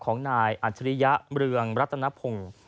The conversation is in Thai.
นายอัจฉริยะเมืองรัตนพงศ์